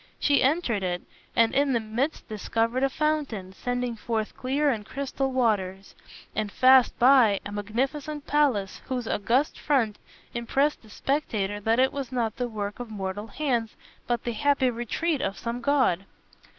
She entered it, and in the midst discovered a fountain, sending forth clear and crystal waters, and fast by, a magnificent palace whose august front impressed the spectator that it was not the work of mortal hands, but the happy retreat of some god.